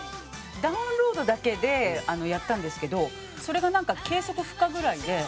ダウンロードだけでやったんですけどそれがなんか計測不可ぐらいで。